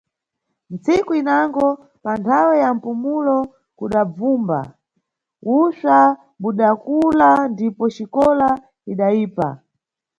Ntsiku inango, panthawe ya mpumulo kudabvumba; usva budakula ndipo xikola idayipa.